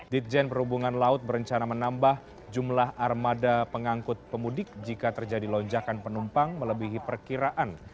ditjen perhubungan laut berencana menambah jumlah armada pengangkut pemudik jika terjadi lonjakan penumpang melebihi perkiraan